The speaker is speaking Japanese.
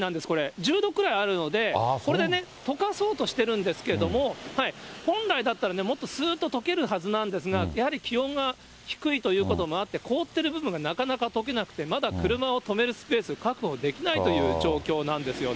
１０度くらいあるので、これでね、とかそうとしてるんですけれども、本来だったらもっとすーっととけるはずなんですが、やはり気温が低いということもあって、凍っている部分がなかなかとけなくて、まだ車を止めるスペース、確保できないという状況なんですよね。